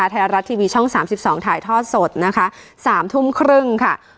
โดยท้ายรัฐทีวีช่องสามสิบสองถ่ายทอดสดนะคะสามทุ่มครึ่งค่ะ